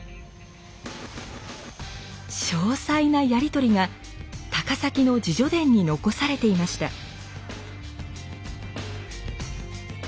詳細なやり取りが高碕の自叙伝に残されていました。